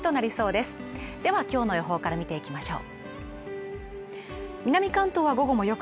では今日の予報から見ていきましょう。